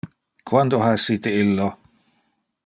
Quando ha essite illo